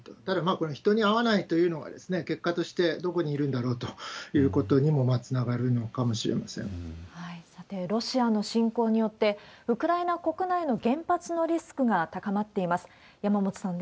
ただ、この人に会わないというのは、結果としてどこにいるんだろうということにもつながるのかもさて、ロシアの侵攻によって、ウクライナ国内の原発のリスクが高まっています。